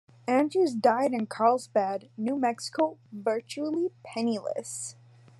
Andrews died in Carlsbad, New Mexico virtually penniless.